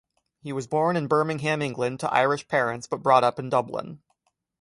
He was born in Birmingham, England, to Irish parents, but brought up in Dublin.